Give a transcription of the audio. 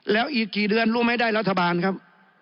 แล้วอีกกี่เดือนรู้ไหมได้รัฐบาลครับ